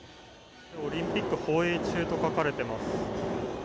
オリンピック放映中と書かれています。